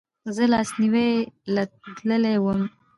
زه لاسنیوې له تلی وم